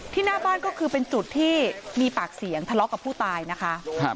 หน้าบ้านก็คือเป็นจุดที่มีปากเสียงทะเลาะกับผู้ตายนะคะ